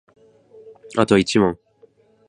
あと一問